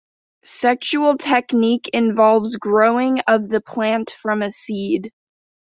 Sexual technique involves growing of the plant from a seed.